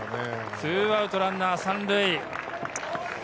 ２アウトランナー３塁。